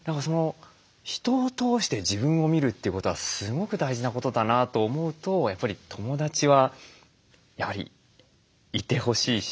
人を通して自分を見るということはすごく大事なことだなと思うとやっぱり友だちはやはりいてほしいし